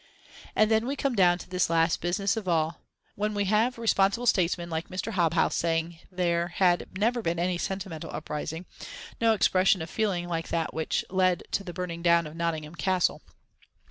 "And then we come down to this last business of all, when we have responsible statesmen like Mr. Hobhouse saying that there had never been any sentimental uprising, no expression of feeling like that which led to the burning down of Nottingham Castle.